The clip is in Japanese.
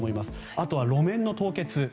あとは路面の凍結。